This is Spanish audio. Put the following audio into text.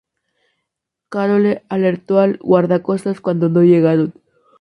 Carole alertó al Guardacostas cuando no llegaron.